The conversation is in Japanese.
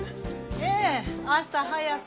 ええ朝早く。